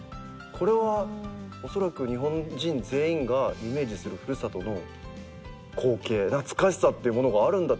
これはおそらく日本人全員がイメージする古里の光景懐かしさっていうものがあるんだって